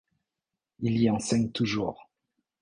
Il y enseigne toujours.